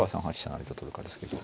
成と取るかですけど。